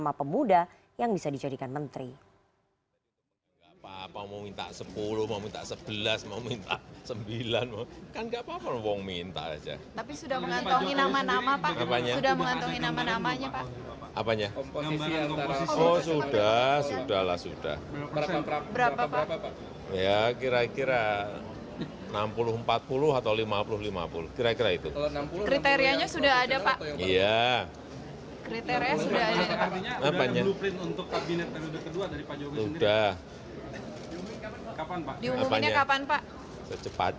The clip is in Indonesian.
untuk pahalaan muda pahalaan mudanya dari partai politik atau profesional pak